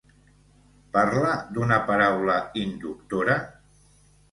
Parla d'una paraula inductora?